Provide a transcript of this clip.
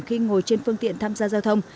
khi ngồi trên phương tiện tham gia giao thông